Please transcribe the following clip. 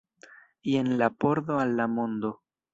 Jen la pordo al la mondo.